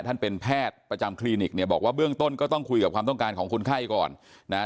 ท่านเป็นแพทย์ประจำคลินิกเนี่ยบอกว่าเบื้องต้นก็ต้องคุยกับความต้องการของคนไข้ก่อนนะฮะ